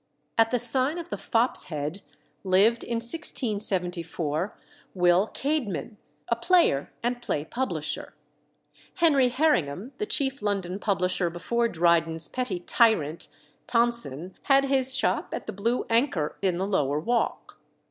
At the sign of the Fop's Head lived, in 1674, Will Cademan, a player and play publisher. Henry Herringham, the chief London publisher before Dryden's petty tyrant, Tonson, had his shop at the Blue Anchor in the Lower Walk.